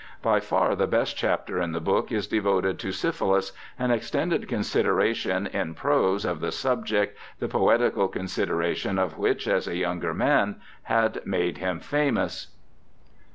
By far the best chapter in the book is devoted to syphilis, an extended consideration in prose of the subject the poetical consideration of which as a 3 ounger man had made him famous.